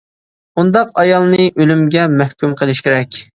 -ئۇنداق ئايالنى ئۆلۈمگە مەھكۇم قىلىش كېرەك.